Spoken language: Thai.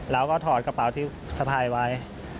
แล้วก็ถอดกระเป๋าที่สะพายไว้